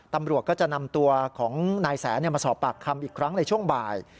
ตำรวจก็จะนำตัวของนายแสนมาสอบปากคำอีกครั้งในช่วงบ่าย